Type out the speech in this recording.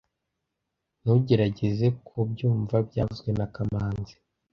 Ntugerageze kubyumva byavuzwe na kamanzi